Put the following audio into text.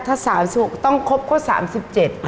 ถ้า๓๖ปีต้องครบก็๓๗ปี